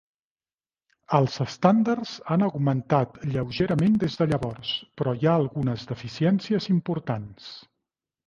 Els estàndards han augmentat lleugerament des de llavors, però hi ha algunes deficiències importants.